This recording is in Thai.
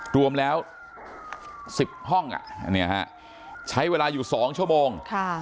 รวมแล้ว๑๐ห้องใช้เวลาอยู่๒ชั่วโมง